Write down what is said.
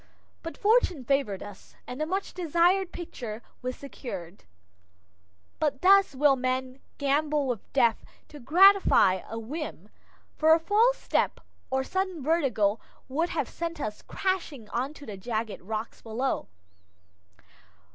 But fortune favored us, and the much desired picture was secured. But thus will men gamble with death to gratify a whim, for a false step or sudden vertigo would have sent us crashing on to the jagged rocks below.